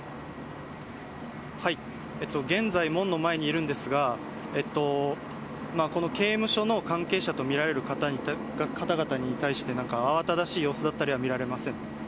現在、門の前にいるんですが、この刑務所の関係者と見られる方々に対して、慌ただしい様子だったりは見られません。